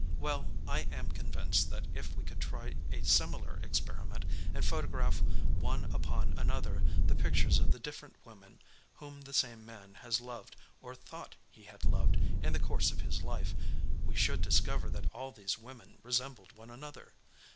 Well, I am convinced that if we could try a similar experiment and photograph one upon another the pictures of the different women whom the same man has loved or thought he had loved in the course of his life we should discover that all these women resembled one another.